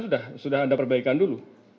sudah ada perbaikan dulu